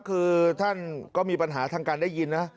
คือท่านก็มีปัญหาทางการได้ยินนะ